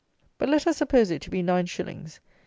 But let us suppose it to be nine shillings.